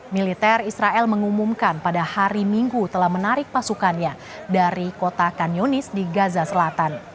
militer israel mengumumkan pada hari minggu telah menarik pasukannya dari kota kanyunis di gaza selatan